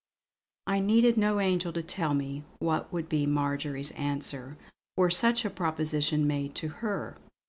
I needed no angel to tell me what would be Marjory's answer, were such a proposition made to her.